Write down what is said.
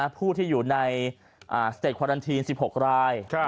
ผู้ที่อยู่ในสเตจควารันทีน๑๖ราย